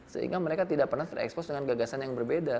sehingga mereka tidak pernah terekspos dengan gagasan yang berbeda